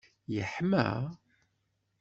Yeḥma?